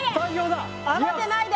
慌てないで！